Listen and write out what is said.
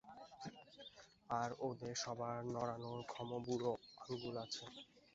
আর ওদের সবার নড়ানোর ক্ষম বুড়ো আঙুল আছে।